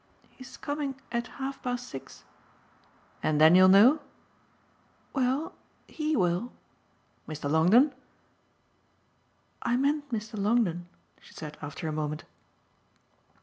"He's coming at half past six." "And then you'll know?" "Well HE will." "Mr. Longdon?" "I meant Mr. Longdon," she said after a moment.